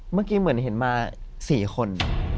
เมื่อกี้เหมือนเห็นมา๔คน